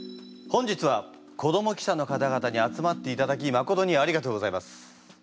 本日は子ども記者の方々に集まっていただきまことにありがとうございます。